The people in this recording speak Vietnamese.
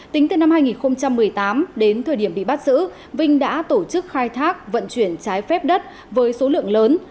tính từ năm hai nghìn một mươi tám đến thời điểm bị bắt giữ vinh đã tổ chức khai thác vận chuyển trái phép đất với số lượng lớn